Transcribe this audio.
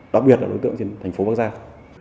đặc biệt là đối tượng trên thành phố bắc giang